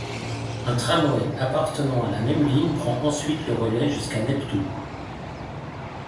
Un tramway appartenant à la même ligne prend ensuite le relais jusqu'à Neptú.